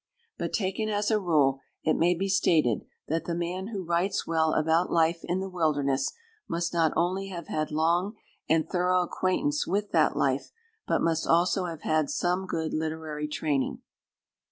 But, taken as a rule, it may be stated that the man who writes well about life in the wilderness must not only have had long and thorough acquaintance with that life, but must also have had some good literary training.